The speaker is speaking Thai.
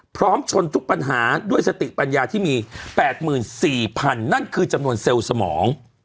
พร้อมชนทุกปัญหาด้วยสติปัญญาที่มี๘๔๐๐๐นั่นคือจำนวนเซลล์สมอง